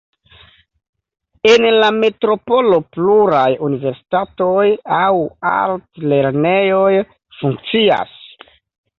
En la metropolo pluraj universitatoj aŭ altlernejoj funkcias.